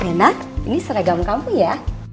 enak ini seragam kamu ya